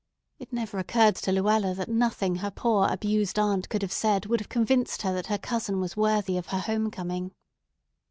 It never occurred to Luella that nothing her poor, abused aunt could have said would have convinced her that her cousin was worthy of her home coming.